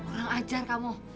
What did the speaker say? orang ajar kamu